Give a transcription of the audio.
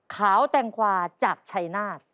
ขาวแตงขวาจากชัยนาธ